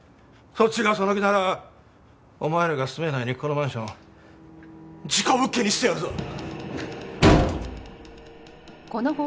そっちがその気ならお前らが住めないようにこのマンションを事故物件にしてやるぞ！